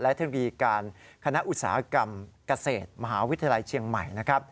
และธุรกิจการคณะอุตสาหกรรมเกษตรมหาวิทยาลัยเชียงใหม่